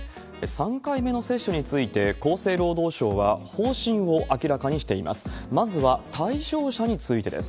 ３回目の接種について、厚生労働省は方針を明らかにしています。